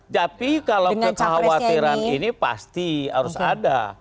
tapi kalau kekhawatiran ini pasti harus ada